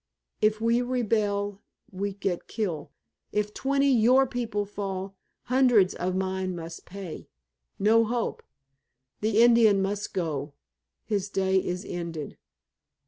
If we rebel we get kill. If twenty your people fall, hundreds of mine must pay. No hope. The Indian must go. His day is ended."